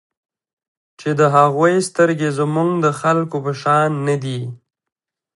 چې د هغوی سترګې زموږ د خلکو په شان نه دي.